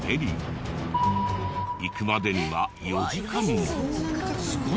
行くまでには４時間も。